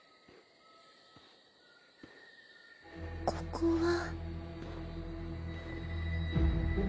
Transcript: ここは。